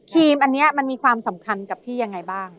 ทีมอันนี้มันมีความสำคัญกับพี่ยังไงบ้าง